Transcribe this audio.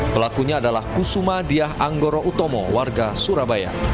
pelakunya adalah kusuma diah anggoro utomo warga surabaya